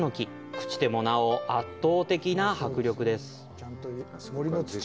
朽ちてもなお圧倒的な迫力です。